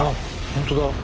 本当だ！